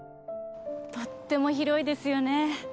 とっても広いですよね。